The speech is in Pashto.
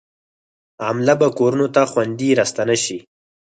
عمله به کورونو ته خوندي راستانه شي.